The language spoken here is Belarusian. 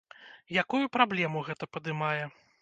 Якую праблему гэта падымае?